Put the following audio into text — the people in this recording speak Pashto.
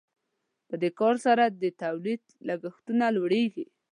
په دې کار سره د تولید لګښتونه لوړیږي.